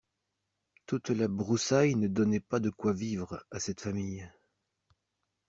Toute la broussaille ne donnait pas de quoi vivre, à cette famille.